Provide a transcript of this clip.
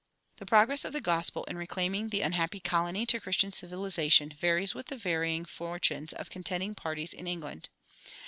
The progress of the gospel in reclaiming the unhappy colony to Christian civilization varies with the varying fortunes of contending parties in England.